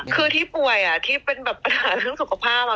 คือที่ป่วยที่เป็นแบบปัญหาเรื่องสุขภาพ